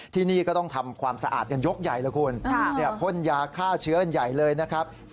ที่นี่ก็ต้องทำความสะอาดกันยกใหญ่เลยคุณพ่นยาฆ่าเชื้อกันใหญ่เลยนะครับ